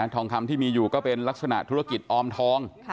ทองคำที่มีอยู่ก็เป็นลักษณะธุรกิจออมทอง